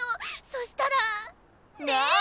そしたらねえ！